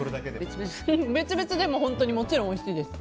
別々でももちろんおいしいです。